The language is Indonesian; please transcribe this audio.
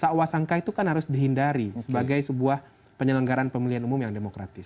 seawasangka itu kan harus dihindari sebagai sebuah penyelenggaran pemulihan umum yang demokratis